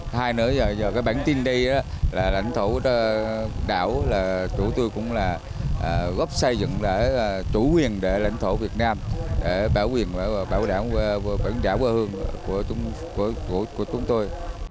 thay nữa bảng tuyên truyền này là lãnh thổ đảo là chủ tuyên cũng là góp xây dựng là chủ quyền để lãnh thổ việt nam để bảo quyền và bảo đảm bản đảo vô hương của chúng tôi